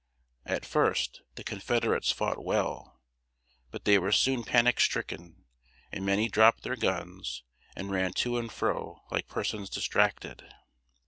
At first, the Confederates fought well; but they were soon panic stricken, and many dropped their guns, and ran to and fro like persons distracted.